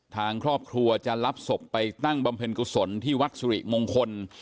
ทางครอบครัวจะรับศพไปตั้งบำเพ็ญกุศลที่วัดสุริมงคล